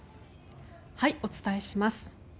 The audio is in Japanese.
お伝えします。